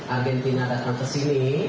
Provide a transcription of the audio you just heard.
argentina datang kesini